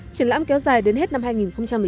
triển lãm kéo dài đến hết năm hai nghìn một mươi